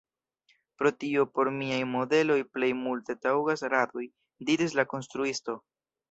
Pro tio por miaj modeloj plej multe taŭgas radoj, diris la konstruisto.